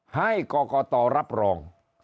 ให้กรกตรับรอง